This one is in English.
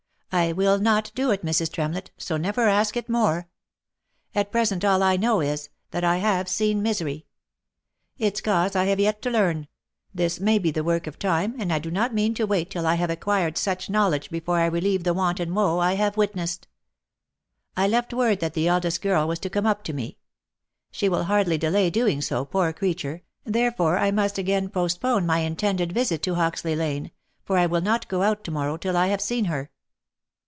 I will not do it, Mrs. Tremlett, so never ask it more. At present all I know is, that I have seen misery. Its cause I have yet to learn — This may be the work of time, and I do not mean to wait till I have acquired such knowledge before I relieve the want and woe I have witnessed. I left word that the eldest girl was to come up to me. She will hardly delay doing so, poor creature, therefore I "must again postpone my intended visit to Hoxley lane, for I will not go out to morrow till I have seen her.'